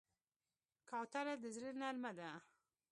کوتره د زړه نرمه ده.